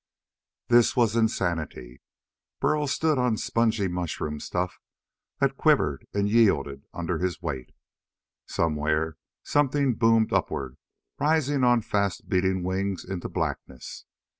This was insanity. Burl stood on spongy mushroom stuff that quivered and yielded under his weight. Somewhere something boomed upward, rising on fast beating wings into blackness.